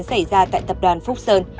xảy ra tại tập đoàn phúc sơn